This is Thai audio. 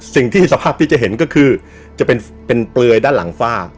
สิ่งที่สภาพที่จะเห็นก็คือจะเป็นเปลือยด้านหลังฝ้า